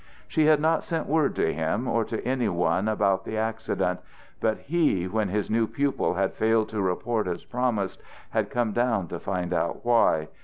She had not sent word to him or to any one about the accident; but he, when his new pupil had failed to report as promised, had come down to find out why.